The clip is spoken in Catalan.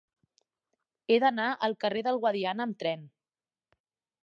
He d'anar al carrer del Guadiana amb tren.